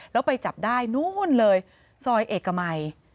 แล้วไปจับได้นู่นเลยซอยเอกมัย